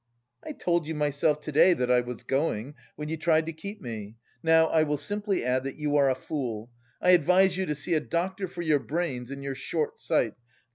"I told you myself to day that I was going, when you tried to keep me; now I will simply add that you are a fool. I advise you to see a doctor for your brains and your short sight.